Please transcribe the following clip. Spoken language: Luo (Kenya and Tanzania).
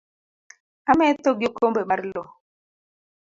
Ametho gi okombe mar loo